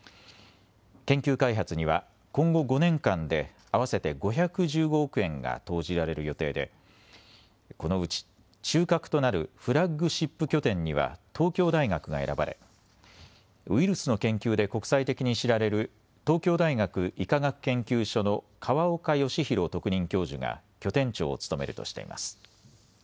研究開発には今後５年間で合わせて５１５億円が投じられる予定でこのうち中核となるフラッグシップ拠点には東京大学が選ばれ、ウイルスの研究で国際的に知られる東京大学医科学研究所の河岡義裕特任教授が拠点長を務めるとしています。